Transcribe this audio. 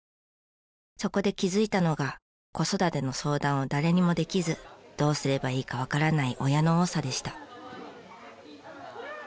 そこで気づいたのが子育ての相談を誰にもできずどうすればいいかわからない親の多さでした。